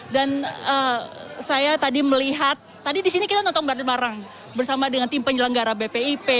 dan saya tadi melihat tadi disini kita nonton barang barang bersama dengan tim penyelenggara bpip